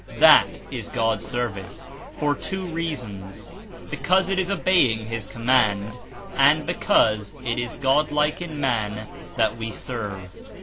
That is God's service, for two reasons — because It is obeying his Command, and because it Is the God like 148 in man that we serve.